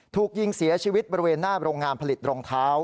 ถูกยิงเสียชีวิตบริเวณหน้าโรงงานผลิตรองเท้า